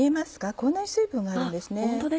こんなに水分があるんですね。